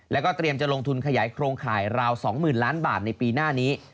แล้วก็เตรียมจะลงทุนขยายโครงข่ายราว๒๐๐๐ล้านบาทในปีหน้านี้